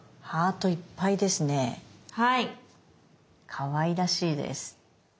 かわいらしいです。